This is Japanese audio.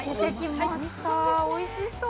おいしそう！